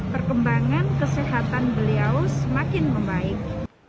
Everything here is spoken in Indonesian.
perkembangan kesehatan beliau semakin membaik